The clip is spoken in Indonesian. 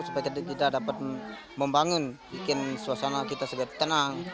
supaya kita dapat membangun bikin suasana kita segera tenang